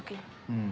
うん。